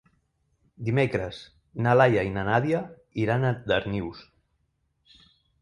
Dimecres na Laia i na Nàdia iran a Darnius.